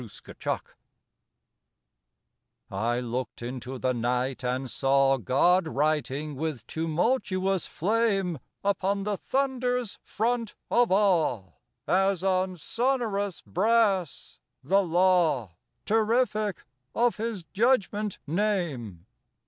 STORM I looked into the night and saw God writing with tumultuous flame Upon the thunder's front of awe, As on sonorous brass, the Law, Terrific, of His judgment name.